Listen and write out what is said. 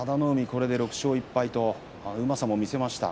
これで６勝１敗うまさを見せました。